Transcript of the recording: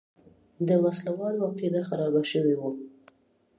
د وسله والو عقیده خرابه شوې وه.